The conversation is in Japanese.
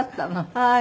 はい。